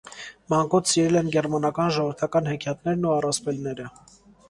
Մանկուց սիրել են գերմանական ժողովրդական հեքիաթներն ու առասպելները։